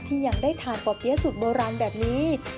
ที่ยังได้ทานป่อเปี้ยสุดโบราณแบบนี้